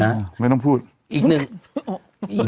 นุ่มถ้าเธอไม่หยุดจะกุดรูป